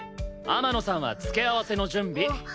天野さんは付け合わせの準備！